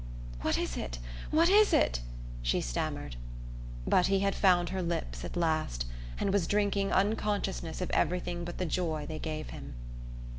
"What is it what is it?" she stammered; but he had found her lips at last and was drinking unconsciousness of everything but the joy they gave him.